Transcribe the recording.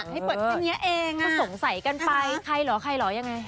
ก็สงสัยกันไปใครหรอใครหรอยังไง